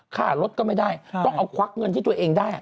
ค่ารถก็ไม่ได้ต้องเอาควักเงินที่ตัวเองได้